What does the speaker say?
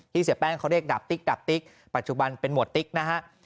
เสียแป้งเขาเรียกดาบติ๊กดาบติ๊กปัจจุบันเป็นหมวดติ๊กนะฮะ